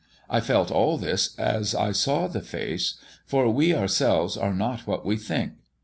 I felt all this as I saw the face, for we ourselves are not what we think.